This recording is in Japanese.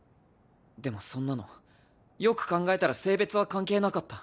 でもそんなのよく考えたら性別は関係なかった。